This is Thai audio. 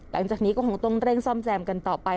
หลังจากนี้ก็คงต้องเร่งซ่อมแซมกันต่อไป